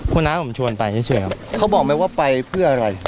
คุณน้าผมชวนไปเฉยครับเขาบอกไหมว่าไปเพื่ออะไร